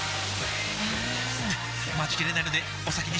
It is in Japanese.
うーん待ちきれないのでお先に失礼！